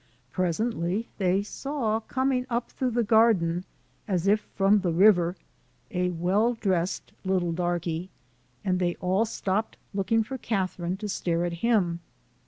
Presently they saw coming up through the garden, as if from the river, a well dressed little darkey, and they all stopped looking for Catherine to stare at him.